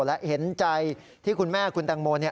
และเห็นใจที่คุณแม่คุณแตงโมนี่ป่วย